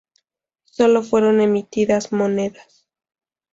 Solo fueron emitidas monedas.